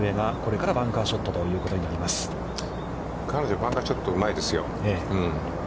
彼女、バンカーショットうまいですよ。